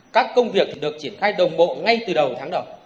các công việc được triển khai đồng bộ ngay từ đầu tháng đầu